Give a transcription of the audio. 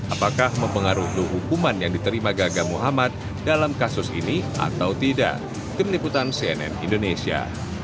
apakah mempengaruhi hukuman yang diterima gagah muhammad dalam kasus ini atau tidak kemuliputan cnn indonesia